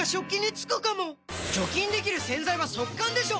除菌できる洗剤は速乾でしょ！